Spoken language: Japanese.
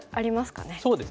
そうですね。